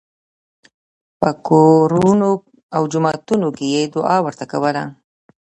په کورونو او جوماتونو کې یې دعا ورته کوله.